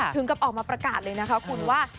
ถึงกับออกมาประกาศเลยนะคะคุณว่า